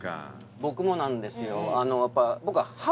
僕もなんですよ。